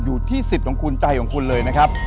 สิทธิ์ของคุณใจของคุณเลยนะครับ